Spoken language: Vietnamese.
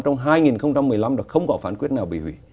trong hai nghìn một mươi năm đã không có phán quyết nào